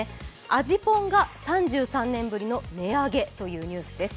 味ぽんが３３年ぶりの値上げというニュースです。